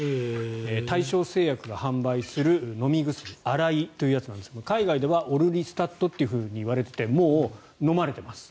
大正製薬が販売する飲み薬アライというやつですが海外ではオルリスタットと言われていてもう飲まれています。